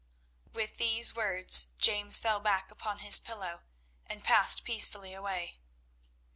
With these words James fell back upon his pillow, and passed peacefully away.